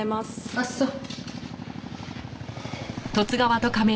あっそう。